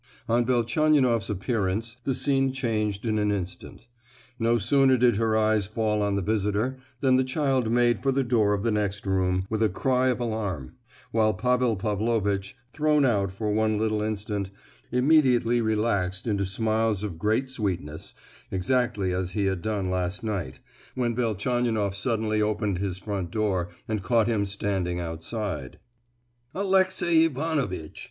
On Velchaninoff's appearance the scene changed in an instant. No sooner did her eyes fall on the visitor than the child made for the door of the next room, with a cry of alarm; while Pavel Pavlovitch—thrown out for one little instant—immediately relaxed into smiles of great sweetness—exactly as he had done last night, when Velchaninoff suddenly opened his front door and caught him standing outside. "Alexey Ivanovitch!"